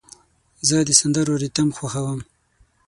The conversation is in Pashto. زه د سندرو ریتم خوښوم.